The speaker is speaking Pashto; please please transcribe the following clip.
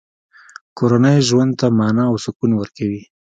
کورنۍ ژوند ته مانا او سکون ورکوي.